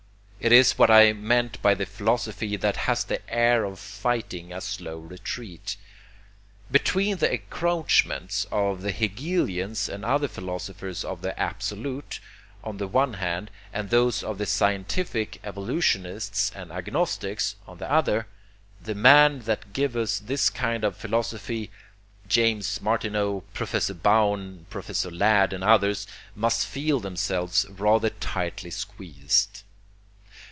It is what I meant by the philosophy that has the air of fighting a slow retreat. Between the encroachments of the hegelians and other philosophers of the 'Absolute,' on the one hand, and those of the scientific evolutionists and agnostics, on the other, the men that give us this kind of a philosophy, James Martineau, Professor Bowne, Professor Ladd and others, must feel themselves rather tightly squeezed.